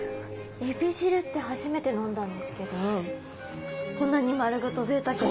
エビ汁って初めて飲んだんですけどこんなに丸ごとぜいたくな。